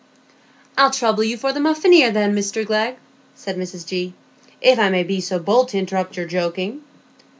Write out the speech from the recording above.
"I'll trouble you for the muffineer, then, Mr Glegg," said Mrs G., "if I may be so bold to interrupt your joking.